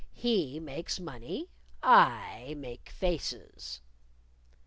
He makes money: I make faces."